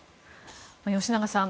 吉永さん